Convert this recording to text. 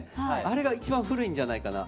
あれが一番古いんじゃないかな。